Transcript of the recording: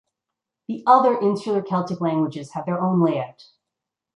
The other Insular Celtic languages have their own layout.